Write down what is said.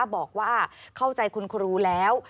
บอกว่าเข้าใจคุณครูแล้ว